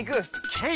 ケイ！